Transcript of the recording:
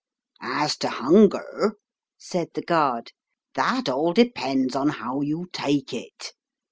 "As to hunger," said the guard, "that all depends on how you take it.